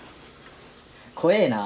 怖えなあ。